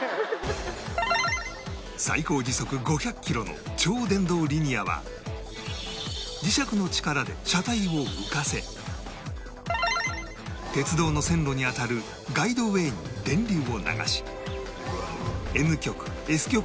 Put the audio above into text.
最高時速５００キロの超電導リニアは磁石の力で車体を浮かせ鉄道の線路にあたるガイドウェイに電流を流し Ｎ 極 Ｓ